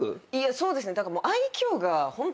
そうですね。